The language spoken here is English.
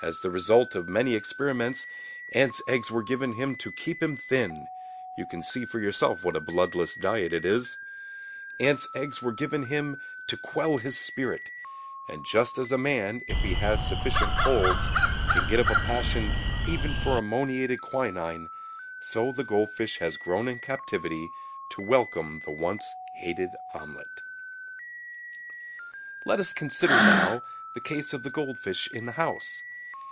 As the result of many experiments ants' eggs were given him to keep him thin (you can see for yourself what a bloodless diet it is), ants' eggs were given him to quell his spirit; and just as a man, if he has sufficient colds, can get up a passion even for ammoniated quinine, so the goldfish has grown in captivity to welcome the once hated omelette. Let us consider now the case of the goldfish in the house.